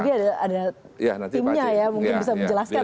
di sini ada timnya ya mungkin bisa menjelaskan langsung